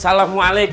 jangan aku kaget ya